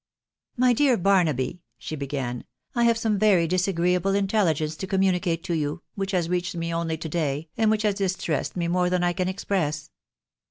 " My dear Barnaby !"... she began, " I have some very" disagreeable intelligence to communicate to you, which has reached me only to day, and which has distressed me more than I can express."